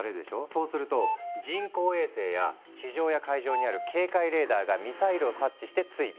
そうすると人工衛星や地上や海上にある警戒レーダーがミサイルを察知して追尾。